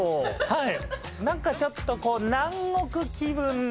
はい。